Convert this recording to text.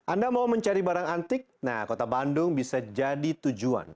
anda mau mencari barang antik nah kota bandung bisa jadi tujuan